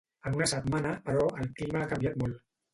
En una setmana, però, el clima ha canviat molt.